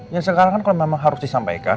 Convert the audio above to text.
ya sekarang kan kalau memang harus disampaikan